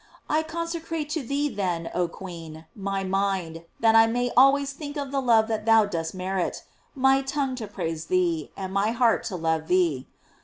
I consecrata to thee, then, oh queen, my mind, that I may al ways think of the love that thou dost merit, my tongue to praise thee, and my heart to love thee.